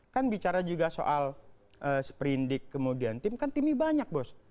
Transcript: kan bicara juga soal sprindik kemudian tim kan timnya banyak bos